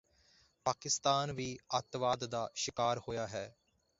ਪਾਕਿਸਤਾਨ ਵੀ ਅੱਤਵਾਦ ਦਾ ਸ਼ਿਕਾਰ ਹੋਇਆ ਹੈ